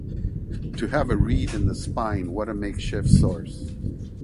To have a reed in the spine, what a makeshift source!